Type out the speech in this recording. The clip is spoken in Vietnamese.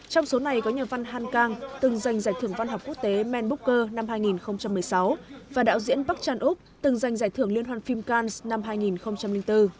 trong số này có nhà văn han kang từng giành giải thưởng văn học quốc tế man booker năm hai nghìn một mươi sáu và đạo diễn park chan ok từng giành giải thưởng liên hoàn phim cannes năm hai nghìn bốn